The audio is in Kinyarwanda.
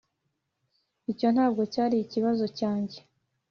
icyo ntabwo cyari ikibazo cyanjye.